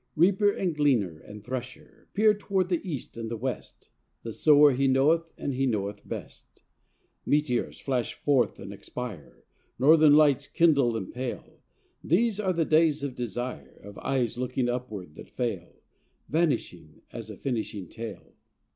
Reaper and gleaner and thresher Peer toward the east and the west: — The Sower He knoweth, and He knoweth best. UNTIL THE DA Y BREAK. 177 Meteors flash forth and expire, Northern lights kindle and pale ; These are the days of desire, Of eyes looking upward that fail; Vanishing as a finishing tale.